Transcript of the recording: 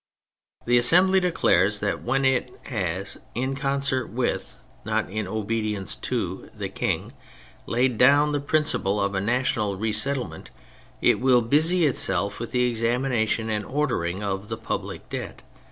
'' The Assembly declares that when it has in concert with (not in obedience to) the King laid down the principle of a national re settlement, it will busy itself with the examination and ordering of the public debt."